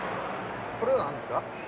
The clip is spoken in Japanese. これは何ですか？